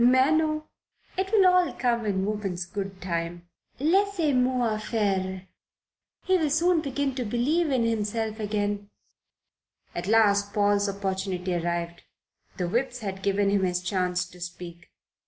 "Mais non. It will all come in woman's good time. Laissez moi faire. He will soon begin to believe in himself again." At last Paul's opportunity arrived. The Whips had given him his chance to speak.